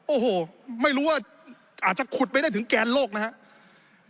โอ้โหไม่รู้ว่าอาจจะขุดไปได้ถึงแกนโลกนะครับ